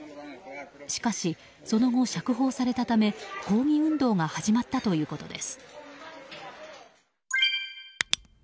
しかし、その後、釈放されたため抗議運動が始まったということです。